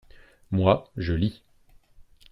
Moi, je lis.